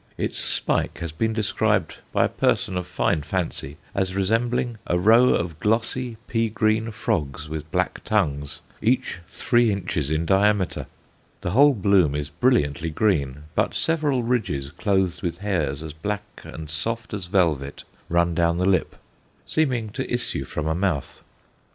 Its spike has been described by a person of fine fancy as resembling a row of glossy pea green frogs with black tongues, each three inches in diameter. The whole bloom is brilliantly green, but several ridges clothed with hairs as black and soft as velvet run down the lip, seeming to issue from a mouth.